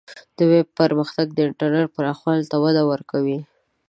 د ویب پرمختګ د انټرنیټ پراخوالی ته وده ورکوي.